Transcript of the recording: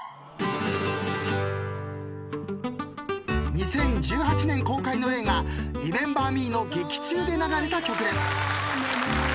２０１８年公開の映画『リメンバー・ミー』の劇中で流れた曲です。